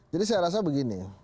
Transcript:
jadi saya rasa begini